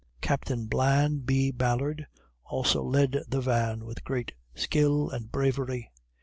Captain Blan B. Ballard also led the van with great skill and bravery."